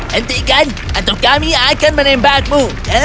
hentikan atau kami akan menembakmu